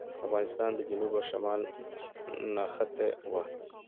افغانستان د جنوب او شمال نښته وه.